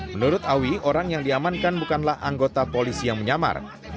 menurut awi orang yang diamankan bukanlah anggota polisi yang menyamar